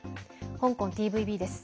香港ＴＶＢです。